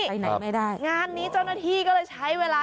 ไปไหนไม่ได้งานนี้เจ้าหน้าที่ก็เลยใช้เวลา